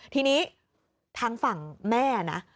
ทีนี้ทางฝั่งแม่นะ